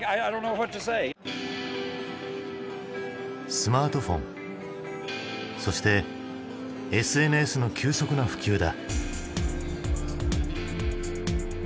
スマートフォンそしてＳＮＳの急速な普及だ。